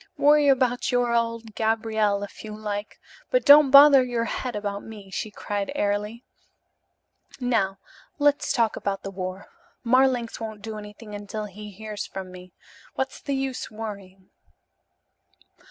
Worry about your old Gabriel, if you like, but don't bother your head about me," she cried airily. "Now let's talk about the war. Marlanx won't do anything until he hears from me. What's the use worrying?"